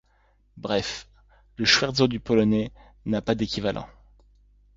Bref, le scherzo du Polonais n'a pas d'équivalent.